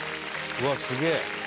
「うわっすげえ」